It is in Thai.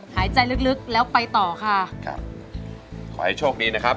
หายใจลึกแล้วไปต่อค่ะครับขอให้โชคดีนะครับ